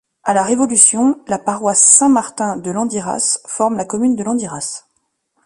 À la Révolution, la paroisse Saint-Martin de Landiras forme la commune de Landiras.